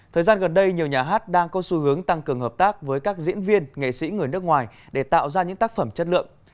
thời gian gần đây nhiều nhà hát đang có xu hướng tăng cường hợp tác với các diễn viên nghệ sĩ người nước ngoài để tạo ra những tác phẩm chất lượng